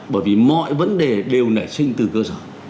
bởi vì mọi vấn đề đều nảy sinh từ cơ sở